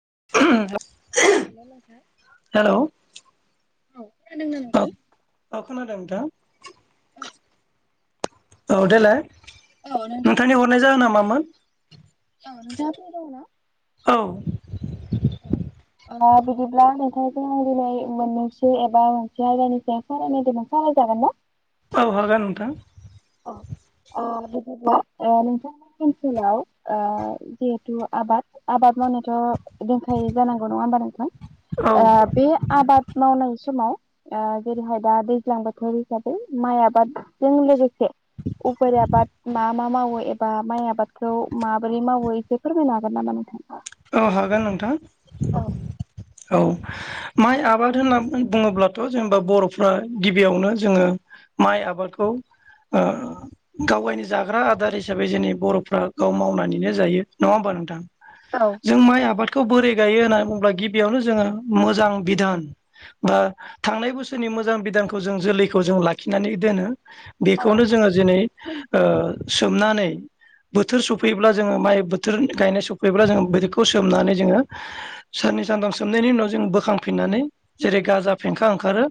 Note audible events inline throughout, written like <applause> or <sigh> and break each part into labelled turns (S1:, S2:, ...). S1: <inaudible>
S2: Hello नोंथां
S1: hello
S2: ओ खोनादोंना
S1: औ
S2: नोंथां?
S1: औ खोनादों नोंथां। औ देेलाय
S2: औ नोंथाङ <unintelligible> औ नोंथांआ फ्रि दंना?
S1: औ
S2: औ ओ बिदिब्ला नोंथांजों आं दिनै मोननैसो एबा मोनसे आयदानि सायाव सावरायनायदोंमोन सा जागोन ना?
S1: औ हरगोन नोंथां।
S2: औ ओ बिदिब्ला नोंथांमोननि ओनसोलाव ओ जिहेथु आबाद आबाद मावनायाथ' दोंखायो जानांगौ नङा हबा नोंथां
S1: औ
S2: ओ बे आबाद मावनाय समाव ओ जेरैहाय दा दैज्लां बोथोर हिसाबै माइ आबादजों लोगोसे उफोर आबाद मा मा मावो? एबा माइ आबादखौ माबोरै मावो इखो फोरमायनो हागोन नामा नोंथां?
S1: औ हागोन नोंथां‌। औ माइ आबाद होनना बुङोब्लाथ' जेनेबा बर'फ्रा गिबियावनो जोङो माइ आबादखौ ओ गावगायनि जाग्रा आदार हिसाबै जोंनि बर'फ्रा गाव मावनानैनो जायो नङा होमबा नोंथां
S2: औ
S1: जों माइ आबादखौ बोरै गायो होनना बुंब्ला गिबियावनो जोङो मोजां बिधान बा थांनाय बो बोसोरनि मोजां बिदानखौ जों जोलैखौ जों लाखिनानै दोनो।
S2: औ
S1: बेखौनो जोङो जिनै ओ सोमनानै बोथोर सफैयब्ला जोङो माइ बोथोर गायनाय सफैब्ला जों बे खौ सोमनानै जोङो साननै सानथाम सोमनायनि उनाव जों बोखांफिननानै जेरै गाजा फेंखां ओंखारो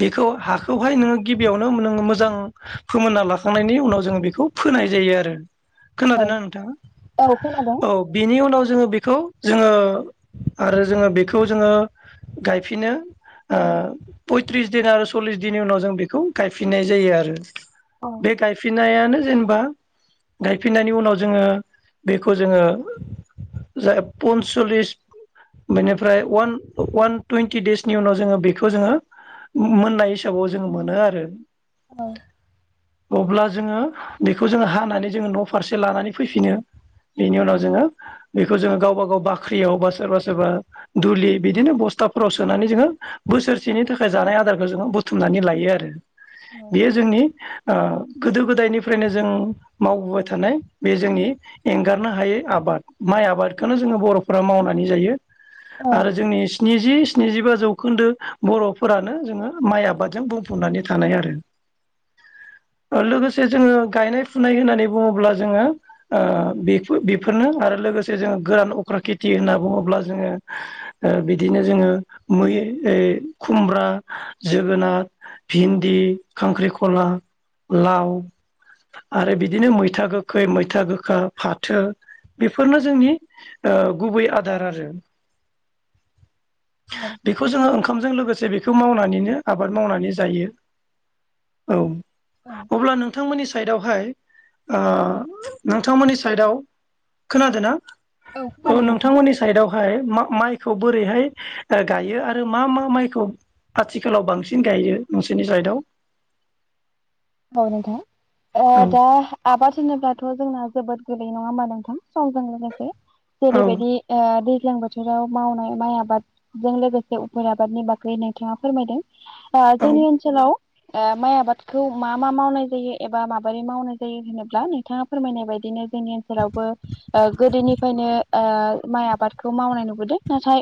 S1: बेखौ हा बेखौवहाय नोङो गिबियावनो नोङो मोजां फोमोनना लाखांनायनि उनाव जोङो बेखौ फोनाय जायो आरो। खोनादोंना नोंथाङा
S2: औ खोनादों
S1: औ बिनि उनाव जोङो बेखौ जोङो आरो जोङो बेखौ जोङो गायफिनो। ओ पयथ्रिस दिन आरो सल्लिस दिननि उनाव जों बेखौ गायफिननाय जायो आरो।
S2: औ
S1: बे गायफिन नायानो जेनेबा गायफिननायनि उनाव जोङो बेखौ जोङो जाय पन्सल्लिस बेनिफ्राय उवान उवान टुइन्टि देइसनि उनाव जोङो बेखौ जोङो मोननाय हिसाबाव जोङो मोनो आरो।
S2: औ
S1: अब्ला जोङो बेखौ जोङो हानानै जोङो न' फारसे लानानै फैफिनो बेनि उनाव ज बे जो गावबा गाव बाख्रियाव बा सोरबा सोरबा दुलि बिदिनो बस्थाफोराव सोनानै जोङो बोसोरसेनि थाखाय जानाय आदारखौ जोङो बुथुमनानै लायो आरो बेयो जोंनि गोदो गोदायनिफ्रायनो जों मावबोबाय थानाय बे जोंनि एंगारनो हायै आबाद माइ आबादखौनो जोङो बर'फोरा मावनानै जायो आरो जोंनि स्निजि स्निजिबा जौखोन्दो बर'फोरानो जोङो माइ आबादजों बुंफबनानै थानाय आरो
S2: <unintelligible>
S1: लोगोसे जोङो गायनाय फुनाय होननानै बुङोब्ला जोङो बे बेफोरनो आरो लोगोसे जोङो गोरान अख्र खेथि होनना बुङोब्ला जोङो बिदिनो जोङो मै खुमब्रा जोगोनार भिन्दि खांख्रिखला लाव आरो बिदिनो मैथा गोखै मैथा गोखा फाथो बेफोरनो जोंनि ओ गुबै आदार आरो बेखौ जोङो ओंखामजों लोगो से बेखौ मावनानैनो आबाद मावनानै जायो औ अब्ला नों थांमोननि साइदआवहाय ओ नोंथांमोननि साइदआव खोनादो ना औ
S2: खोनादों नोंथां।
S1: नोंथांमोननि साइदआवहाय मा माइ खौ बोरैहाय ओ गायो आरो मा मा माइखौ आथिखालाव बांसिन गायो नोंसोरनि साइदआव
S2: <unintelligible> औ नोंथां ओ
S1: औ
S2: दा आबाद होनोब्लाथ' जोंना जोबोद गोलै नङा होमबा नोंथां समजों लोगोसे
S1: औ
S2: जेरैबायदि ओ दै ज्लां बोथोराव मावनाय माइ आबादजों लोगोसे उफेर आबादनि बागै नोंथाङा फोरमायदों ओ
S1: औ
S2: जोंनि ओनसोलाव ओ माइ आबादखौ मा मा मावनाय जायो एबा माबोरै मावनाय जायो होनोब्ला नोंथाङा फोरमायनाय बायदिनो जोंनि ओनसोलावबो ओ गोदोनिफायनो ओ माइ आबादखौ मावनाय नुबोदों नाथाय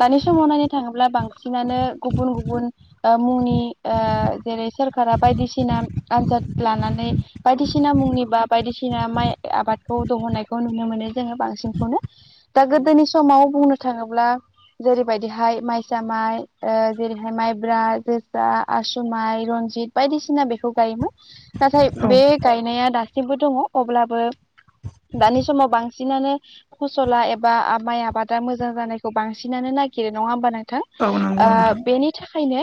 S2: दानि समावनानै थाङोब्ला बां सिनानो गुबुन गुबुन ओ मुंनि ओ जेरै सोरखारा बायदिस सिना आनजाद लानानै बायदिसिना मुंनि बा बायदिसिना माइ आबादखौ दहनायखौ नुनो मोनो जोङो बांसिनखौनो दा गोदोनि समाव बुंनो थाङोब्ला जेरैबायदिहाय माइसा माइ ओ जेरैहाय माइब्रा जोसा आसु माइ रन जित बायदिसिना बेखौ गायोमोन नाथाय बे
S1: औ
S2: गायनाया दासिमबो दङ' अब्लाबो दानि समाव बांसिनानो फसला एबा माइ आबादा मोजां जानायखौ बांसिनानो न नायगिरो नंङा होमबा नों थां
S1: औ नंगौ
S2: ओ
S1: नोंथां
S2: बेनि थाखायनो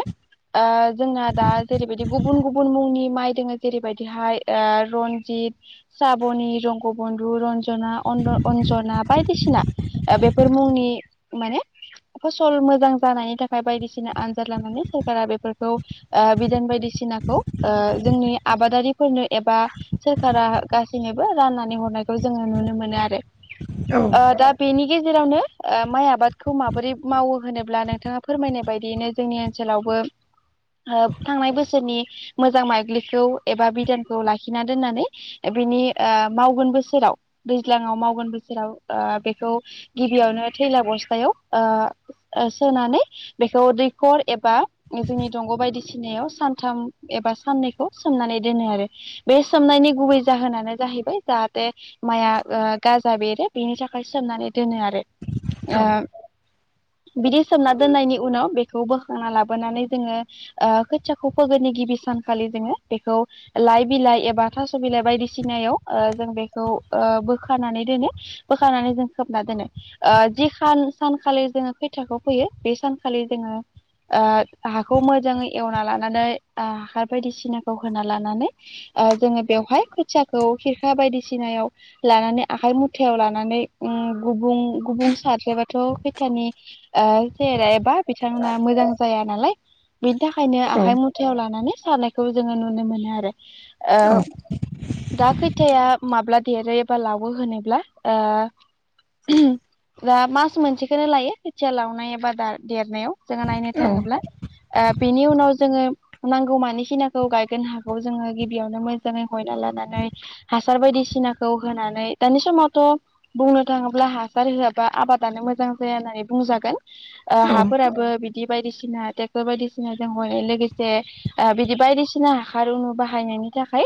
S2: ओ जोंना दा जेरैबायदि गुब मुंनि माइ दोङो जेरैबायदिहाय ओ रनजित साबनि रंगबन्धु रनज जना अनद अन्जना बायदिसिना ओ बेफोर मुंनि माने फसल मोजां जानायनि थाखाय बायदिसिना आनजाद लानानै सोरखारा बेफोरखौ ओ बिदान बायदिसिना खौ ओ जोंनि आबादारिफोरनो एबा सोरखारा गासैनोबो राननानै हरनायखौ ज जोङो नुनो मोनो आरो
S1: औ
S2: ओ दा बेनि गेजेरावनो ओ माइ आबादखौ माबोरै मावो होनोब्ला नोंथाङा फोरमायनाय बायदियैनो जोंनि ओनस सोलावबो ओ थांनाय बोसोरनि मोजां माइग्लिखौ एबा बिधानखौ लाखिना दोननानै बिनि ओ मावगोन बोसोराव आव दैज्लाङाव मावगोन बोसोराव ओ बेखौ गिबियावनो थैला बस्थायाव ओ ओ सोनानै बेखौ दैखर एबा उम जोंनि दंग' बायदिसिनायाव सानथाम एबा साननैखौ सोमनानै दोनो आरो बे सोमनायनि गुबै जाहोनानो जाहैबाय जाहाते माइआ ओ गाजा बेरो बेनि थाखाय सोमनानै दोनो आरो
S1: औ
S2: ओ बिदि सोमना दोननायनि उनाव बे खौ बोखांना लाबोनानै जोङो ओ खोथियाखौ फोगोननि गिबि सानखालि जोङो बेखौ लाइ बिलाइ एबा थास' बिलाइ बायदिसिनायाव ओ जों बेखौ ओ ओ बोखानानै दोनो बोखानानै जों खोबना दोनो ओ जि खान सानखालि जोङो खोथ थियाखौ फैयो बे सानखालि जोङो ओ हाखौ मोजाङै एवना लानानै ओ हाखार बायदिसिनाखौ होना लानानै जोङो ओ बेवहाय खोथियाखौ खिरखा बायदिसिना याव लानानै आखाइ मुथायाव लानानै उम गुबुं गुबुं सार्लायबाथ' खोथियानि ओ सेहेरा एबा बिथांमोना मोजां जाया नालाय बिनि थाखायनो
S1: औ
S2: आखाइ मुथ लानानै सारनायखौ जोङो नुनो मोनो आरो
S1: औ
S2: ओ दा खैथाया माब्ला देरो एबा लावो होनोब्ला ओ दा मास मोनसेखेनो लायो खोथिया लावनाय एबा दा देरनायाव जोङो नायनो थाङोब्ला ओ बिनि उनाव जोङो नांगौ मानि खिनिखौ गायगोन हाखौ जोङो गिबियावनो मोजाङै हयना लानानै हासार बायदिस बायदिसिनाखौ होनानै दानि समावथ' बुंनो थाङोब्ला हासार होआबा आबादानो मोजां जाया ना बुंजागोन हाफोराबो बिदि बायदिसिना ट्रेक्टर बायदिसिना जों ह लोगो से ओ िदि बायदिसिना हासार बाहायनायनि थाखाय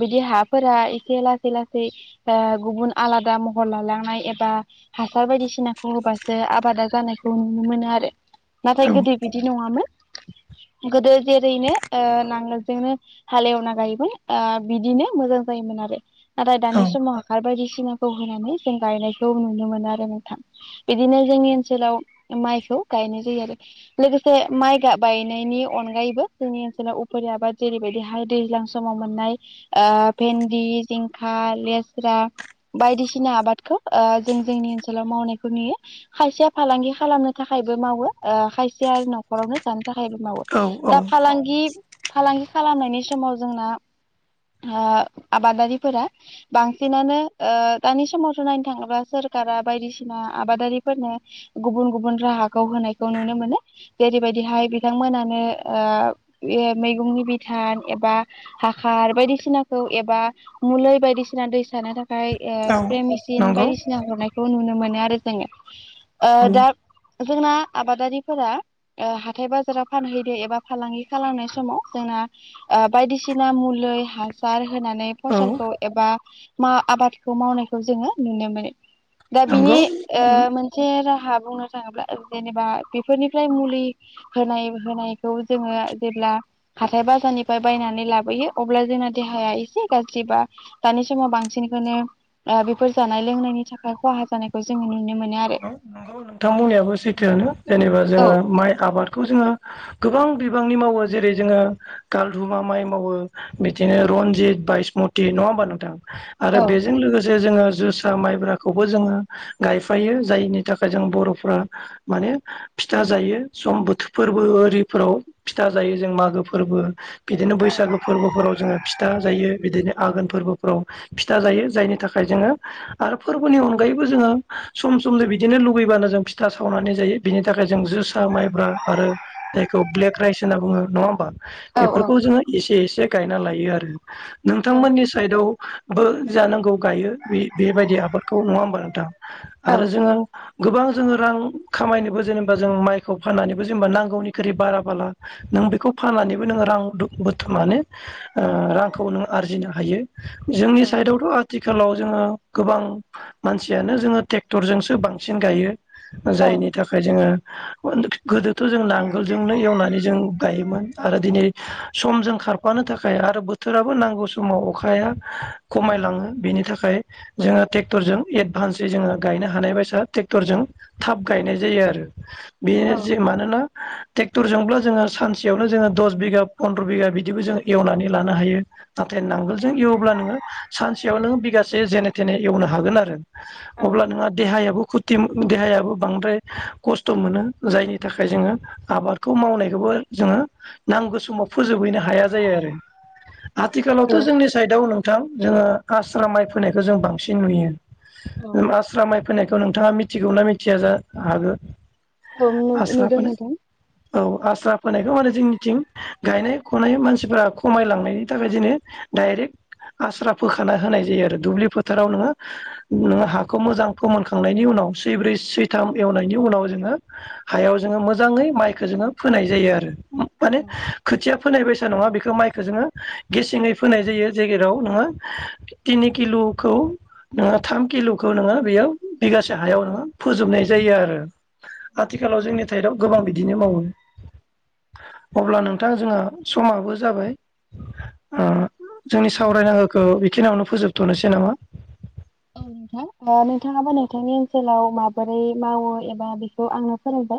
S2: बिदि हाफोरा एसे लासै लासै गुबुन आलादा महर लालांनाय एबा हासार बायदिसिनाखौ होबासो आबादा जानायखौ नुनो मोनो आरो नाथाय गोदो बिदि नङामोन गोदो जेरैनो ओ नांगोलजोंनो हालएवना गायोमोन ओ बिदिनो मोजां जायोमोन आरो नाथाय दानि
S1: औ
S2: समाव हाखार बायदि सिनाखौ होनानै जों गायनायखौ नुनो मोनो आरो नोंथां बिदिनो जोंनि ओनसोलाव माइखौ गायनाय जायो आरो लोगोसे माइ गाय बानायनि अनगायै बो जोंनि ओनसोलाव उफेरा आबाद जेरैबायदिहाय दैज्लां समाव मोननाय ओ भिनदिं जिं खा लेस्रा बायदिसिना आबादखौ ओ जों जोंनि ओनसोलाव मावनायखौ नुयो खायसेया फालांगि खालामनो थाखाय बो मावो ओ खायसेआ आरो न'खरावनो जानो थाखायबो मावो
S1: औ औ
S2: दा फालांगि फालांगि खालामनायनि समाव जोंना ओ आबादारिफोरा बांसिनानो ओ दानि समावथ' नायनो थाङोबा सोर कारा बायदिसिना आबादारिफोरनो गुबुन गुबुन राहाखौ होनायखौ नुनो मोनो जेरै बबायदिहाय बिथांमोनानो ओ बे मैगंनि बिधान एबा हाखार बायदिसिनाखौ एबा मुलै बायदिसिना दै सानो था खाय ओ
S1: औ
S2: स्प्रे मेसिन
S1: नंगौ
S2: बायदिसिना हरनायखौ नुनो मोनो आरो जोङो
S1: औ
S2: ओ दा जोंना आबादारिफोरा हाथाय बाजाराव फानहैदों एबा फालांगि खालामनाय समाव जोंना बायदिसिना मुलैै हासार होनानै
S1: औ
S2: फसलखौ एबा मा आबादखौ मावनायखौ जोङो नुनो मोनो। दा बिनि ओ
S1: नंगौ
S2: मोनसे राहा बुंनो थाङोब्ला जेनेबा बेफोरनिफ्राय मुलि होनाय होनाय खौ जोङो जेब्ला हाथाय बाजारनिफ्राय बायनानै लाबोयो अब्ला जोंना देहाया एसे गाज्रि बा दानि समाव बांसिनखोनो बेफोर जानाय लोंनायनि थाखाय खहा जानायखौ जोङो नुनो मोनो आरो
S1: औ नंगौ नोंथांमोननियाबो सैथोआनो जेनेबा जोङो
S2: औ
S1: माइ आबादखौ जोङो गोबां बिबांनि मावो जेरै जोङो कालहुमा माइ मावो बिदिनो रनजित बाइस मथि नङा होनबा नोथां
S2: औ
S1: आरो बेजों लोगोसे जोङो जोसा माइब्राखौबो जोङो गाइ फायो जायनि थाखाय जों बर'फ्रा माने फिथा जायो सम बोथोरफोरबो ओरै फोराव फिथा जायो जों मागो फोरबो बिदिनो बैसागो फोरबोफोराव जोङो फिथा जायो बिदिनो आघोन फोरबोफ्राव फिथा जायो जायनि थाखाय जोङो आरो फोरबोनि अनगायैबो जोङो सम सम नो बिदिनो लुुबैबानो जों फिथा सावनानै जायो बिनि थाखाय जों जो सा माइब्रा आरो जायखौ ब्लेक राइस होनना बुङो नङा होमा बेफोरखौ जोङो एसे ए से गायना लायो आरो नोंथांमोननि साइदआव बो जानांगौ गायो बे बेबायदि आबादखौ नङा होमबा नोंथां आरो जों गोबां जोङो रां खामायनोबो जेनेबा जों माइखौ फाननानैबो जेनेबा नांगौनिख्रुइ बारा बाला नों बेखौ फाननानैबो नोङो रां दु बोथुमनानै ओ रांखौ नों आरजिनो हायो। जोंनि साइडआवथ' आथिखालाव जोङो गोबां मानसियानो जोङो ट्रेक्टरजोंसो बांसिन गायो जायनि थाखाय जोङो गोदोथ' जों नांगोलजोंनो एवनानै जों गायोमोन आरो दिनै समजों खारफानो थाखाय आरो बोथोराबो नांगौ समाव अखाया खमायलाङो बेनि थाखाय जोङो तेक थरजों एडभान्स जोङो गायनो हानाय बायसा ट्रेक्टरजों थाब गायनाय जायो आरो बे जे मानोना ट्रेक्टरजोंब्ला जोङो सानसेयावनो जोङो दस बिगा फन्द्र' बिगा बिदिबो जोङो एवनानै लानो हायो। नाथाय नांगोलजों एवब्ला नोङो सानसेयाव नोङो बिगा से जेने थेने एवनो हागोन आरो अब्ला नोंहा देहायाबो खुरथि देहायाबो बांद्राय खस्थ' मोनो जायनि थाखाय जोङो आबादखौ मावनायखौबो जोङो नांगौ समाव फोजोबहैनो हाया जायो आरो आथिखालावथ' जोंनि साइदआव नोंथां जोङो आस्रा माइ फोनायखौ जों बांसिन नुयो आस्रा माइ फैनायखौ नोंथाङा मिथिगौ ना मिथिया जा आरो आस्रा फोनाय औ आस्रा फोनायखौ मा होनो जोंनिथिं गायनाय फुनाय मानसिफोरा खमायलांनायनि थाखाय जोंङो डाइरेक्ट आस्रा फोखाना होनाय जायो आरो दुब्लि फोथाराव नोङो नोङो हा बे खौ मोजां फोमोनखांनायनि उनाव सै ब्रै सै सथाम एवनायनि उनाव जोङो हायाव जोङो मोजाङै माइखो जोङो फोनाय जायो आरो माने खोथिया फोनाय बायसा नङा बेखौ माइखौ जोङो गेसेङै फोनाय जायो जेजेराव नोङो तिनि किल'खौ नोंहा थाम किल' खौ नोङो बेयाव बिगासे हायाव नोङो फोजोबनाय जायो आरो आथिखालाव जोंनि थाइदाव गोबां बिदिनो मावो अब्ला नोंथां जोंङो समाबो जाबाय ओ जोंनि सावरायनांगौखौ बेखिनियावनो फोजोबथ'नोसै नामा
S2: औ नोंथां नोंथाङाबो नोंथांनि ओनसोलाव माबोरै मावो एबा बेखौ आंनो फोरों